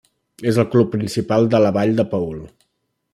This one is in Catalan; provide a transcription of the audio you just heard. És el club principal de la vall de Paul.